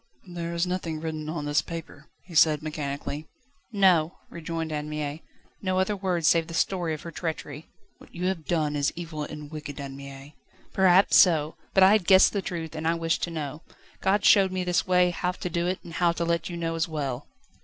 "There is nothing written on this paper," he said mechanically. "No," rejoined Anne Mie; "no other words save the story of her treachery." "What you have done is evil and wicked, Anne Mie." "Perhaps so; but I had guessed the truth, and I wished to know. God showed me this way, how to do it, and how to let you know as well."